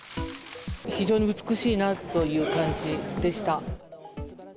非常に美しいなという感じでした。